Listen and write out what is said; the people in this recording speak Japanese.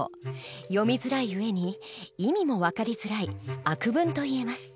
読みづらい上に意味も分かりづらい悪文といえます。